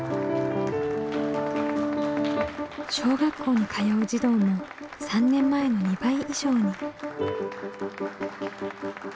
小学校に通う児童も３年前の２倍以上に。